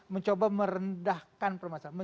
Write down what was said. mencoba merendahkan permasalahan